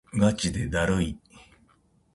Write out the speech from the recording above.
がちでだるい